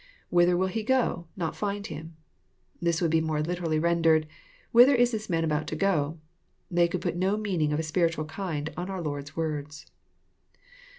[^Whither toill He go..,not find WmJ] This would be more literally rendered, '< Whither is this man about to go." They could put no meaning of a spiritual kind on our Lord's words.